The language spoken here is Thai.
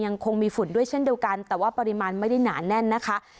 ยังคงมีฝุ่นด้วยเช่นเดียวกันแต่ว่าปริมาณไม่ได้หนาแน่นนะคะ